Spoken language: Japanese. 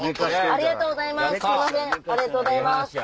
ありがとうございます。